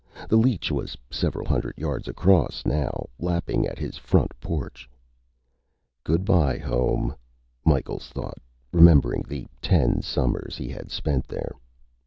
The leech was several hundred yards across now, lapping at his front porch. Good by, home, Micheals thought, remembering the ten summers he had spent there.